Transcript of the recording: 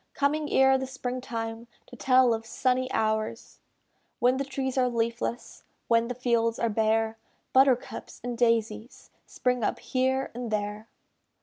Coming ere the spring time, To tell of sunny hours. When the trees are leafless; When the fields are bare; Buttercups and daisies Spring up here and there.